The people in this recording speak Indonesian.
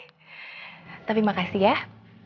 kamu udah mau nemenin mama aku seharian